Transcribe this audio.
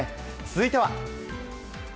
続いては。